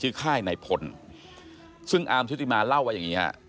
ค่ายนายพลซึ่งอาร์มชุติมาเล่าว่าอย่างนี้ฮะ